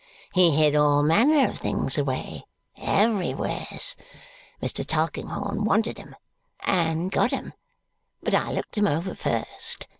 He hid all manner of things away, everywheres. Mr. Tulkinghorn wanted 'em and got 'em, but I looked 'em over first.